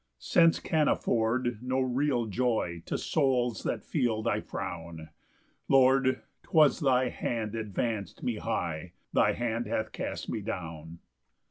8 Sense can afford no real joy To souls that feel thy frown; Lord, 'twas thy hand advanc'd me high, Thy hand hath cast me down.